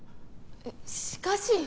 しかし。